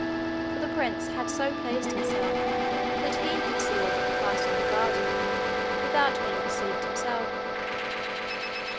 For the prince had so placed himself that he could see all that passed in the garden without being perceived himself.